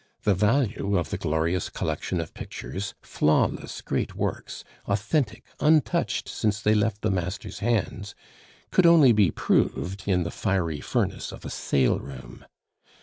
The value of the glorious collection of pictures, flawless great works, authentic, untouched since they left the master's hands, could only be proved in the fiery furnace of a saleroom.